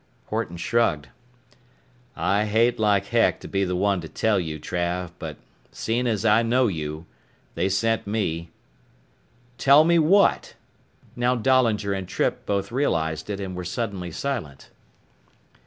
Horton shrugged. "I hate like heck to be the one to tell you, Trav, but seein' as I know you, they sent me " "Tell me what?" Now Dahlinger and Trippe both realized it and were suddenly silent.